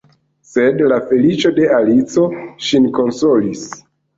Sed la feliĉo de Alico ŝin konsolis.